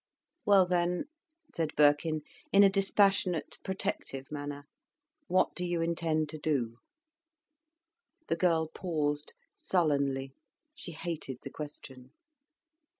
"Well, then," said Birkin, in a dispassionate protective manner, "what do you intend to do?" The girl paused sullenly. She hated the question.